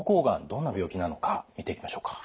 どんな病気なのか見ていきましょうか。